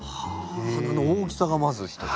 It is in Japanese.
花の大きさがまず一つ。